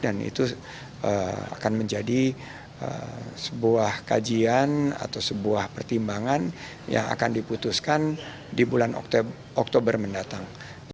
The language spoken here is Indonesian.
dan itu akan menjadi sebuah kajian atau sebuah pertimbangan yang akan diputuskan di bulan oktober mendatang